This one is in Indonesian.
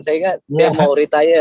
saya ingat dia mau retanya